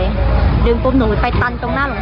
ก็ดึงปุ๊บหนูไปตันตรงหน้าหลวงพะคุณ